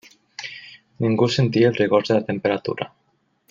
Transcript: Ningú sentia els rigors de la temperatura.